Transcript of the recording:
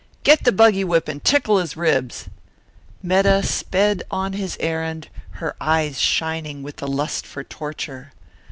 "Get the buggy whip and tickle his ribs." Metta sped on his errand, her eyes shining with the lust for torture.